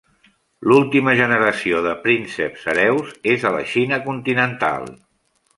L'última generació de "prínceps hereus" és a la Xina continental.